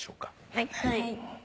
「はい」